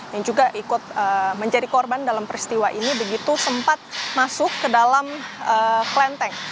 yang juga ikut menjadi korban dalam peristiwa ini begitu sempat masuk ke dalam klenteng